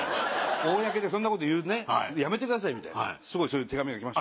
公でそんなこと言うのやめてくださいみたいなそういう手紙が来ました。